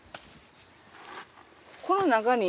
この中に？